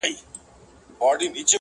د اوښکو تر ګرېوانه به مي خپله لیلا راسي-